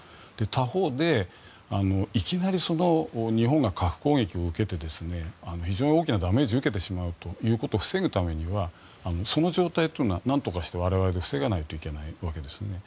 他方でいきなり日本が核攻撃を受けて非常に大きなダメージを受けてしまうということを防ぐためにはその状態というのはなんとかして我々で防がないといけないわけですね。